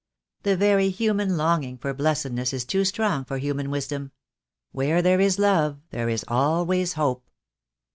The very human longing for blessedness is too strong for human wisdom. Where there is love, there is always hope.